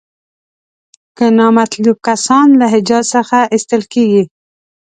که نامطلوب کسان له حجاز څخه ایستل کیږي.